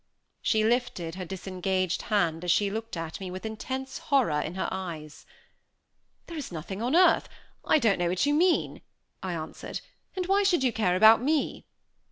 She lifted her disengaged hand, as she looked at me with intense horror in her eyes. "There is nothing on earth I don't know what you mean," I answered, "and why should you care about me?"